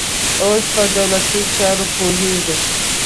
اوس په دولتي چارو پوهېږي.